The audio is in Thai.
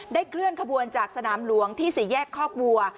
เคลื่อนขบวนจากสนามหลวงที่สี่แยกคอกวัว